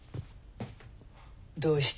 どうして？